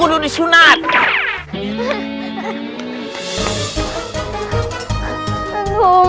udah bisik ya selection